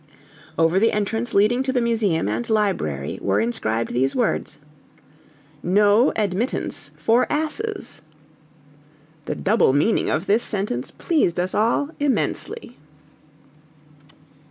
Over the entrance leading to the museum and library were inscribed these words: NO ADMITTANCE FOR ASSES. The double meaning of this sentence pleased us all immensely.